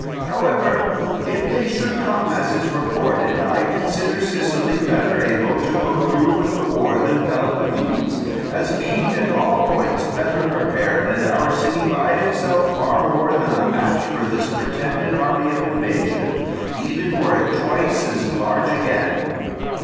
"However, if they should come as is reported, I consider Sicily better able to go through with the war than Peloponnese, as being at all points better prepared, and our city by itself far more than a match for this pretended army of invasion, even were it twice as large again.